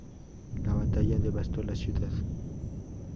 La batalla devastó la ciudad.